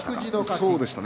そうでしたね